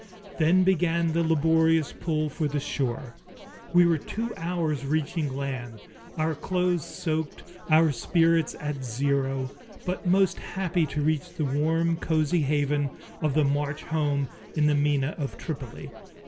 Then began the laborious pull for the shore. We were two hours reaching land, our clothes soaked, our spirits at zero, but most happy to reach the warm, cozy haven of the March home in the Mina of Tripoli.